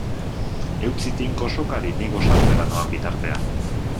Eutsi tinko sokari ni gosaltzera noan bitartean.